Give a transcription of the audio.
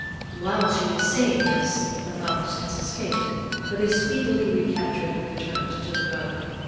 While she is saying this, the mouse has escaped, but is speedily recaptured and returned to the rug.